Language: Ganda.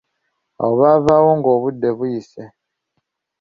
Awo baavaawo nga obudde buyise.